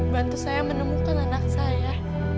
bantu saya menemukan anak saya